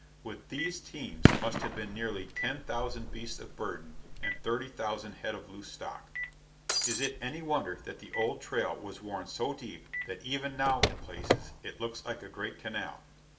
With these teams must have been nearly ten thousand beasts of burden and thirty thousand head of loose stock. Is it any wonder that the old trail was worn so deep that even now in places it looks like a great canal?